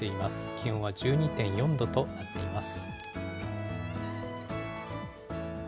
気温は１２．４度となっています。